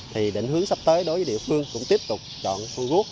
thì định hướng sắp tới đối với địa phương cũng tiếp tục chọn gút